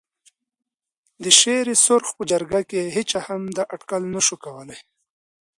د شېر سرخ په جرګه کې هېچا هم دا اټکل نه شوای کولای.